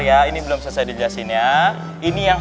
ya ini belum selesai di dasarnya ini yang